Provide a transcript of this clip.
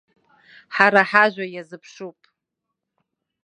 Ҳара ҳажәа иазыԥшуп.